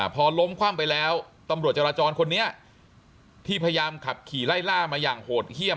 พอล้มคว่ำไปแล้วตำรวจจราจรคนนี้ที่พยายามขับขี่ไล่ล่ามาอย่างโหดเยี่ยม